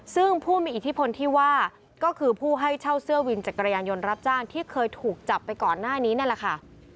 ซึ่งผู้มีอิทธิพลที่ว่าก็คือผู้ให้เช่าเสื้อวินจักรยานยนต์รับจ้างที่เคยถูกจับไปก่อนหน้านี้นั่นแหละค่ะ